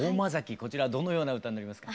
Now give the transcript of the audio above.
こちらどのような歌になりますか？